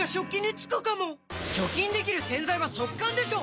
除菌できる洗剤は速乾でしょ！